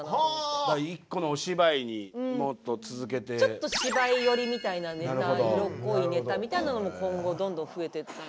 ちょっと芝居寄りみたいなネタ色濃いネタみたいなのも今後どんどん増えてったら。